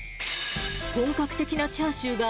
本格的なチャーシューが、